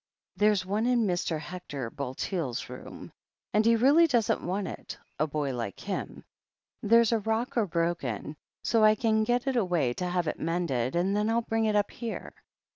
"There's one in Mr. Hector Bulteel's room, and really he doesn't want it — Si boy like him. There's a rocker broken, so I can get it away to have it mended, and then TU bring it up here.